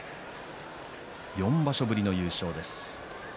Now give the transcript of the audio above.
４場所ぶりの優勝です。